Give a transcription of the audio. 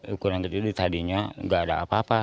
ukuran kecil tadinya nggak ada apa apa